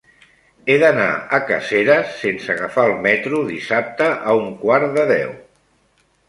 He d'anar a Caseres sense agafar el metro dissabte a un quart de deu.